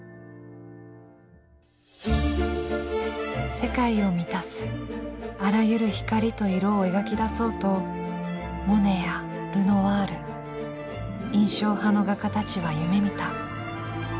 世界を満たすあらゆる光と色を描き出そうとモネやルノワール印象派の画家たちは夢みた。